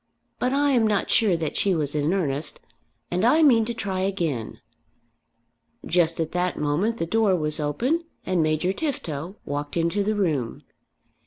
But I am not sure that she was in earnest, and I mean to try again." Just at that moment the door was opened and Major Tifto walked into the room.